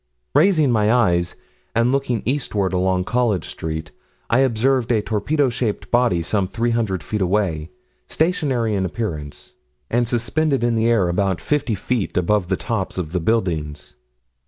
Raising my eyes, and looking eastward along College Street, I observed a torpedo shaped body, some 300 feet away, stationary in appearance, and suspended in the air, about 50 feet above the tops of the buildings.